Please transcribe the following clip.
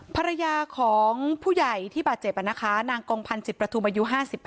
ภรรยาของผู้ใหญ่ที่บาดเจ็บนะคะนางกองพันธ์จิตประทุมอายุ๕๕